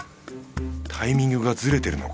タイミングがズレてるのか？